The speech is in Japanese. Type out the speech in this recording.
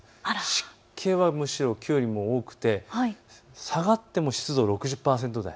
湿気はむしろきょうよりも多くて下がっても湿度は６０％台。